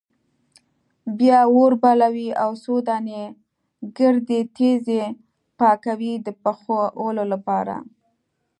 بیا اور بلوي او څو دانې ګردې تیږې پاکوي د پخولو لپاره.